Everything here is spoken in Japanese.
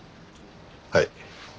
はい。